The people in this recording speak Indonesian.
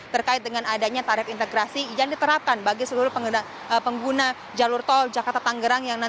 terkait dengan adanya tarif integrasi yang diterapkan bagi seluruh pengguna jalur tol jakarta tanggerang